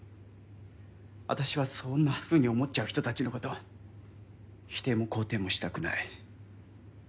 あたしはそんなふうに思っちゃう人たちのこと否定も肯定もしたくない。